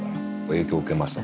影響を受けました。